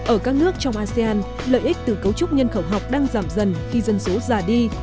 ở các nước trong asean lợi ích từ cấu trúc nhân khẩu học đang giảm dần khi dân số già đi